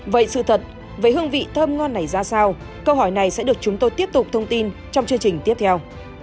vậy sự thật về hương vị thơm ngon này ra sao câu hỏi này sẽ được chúng tôi tiếp tục thông tin trong chương trình tiếp theo